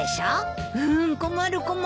うん困る困る。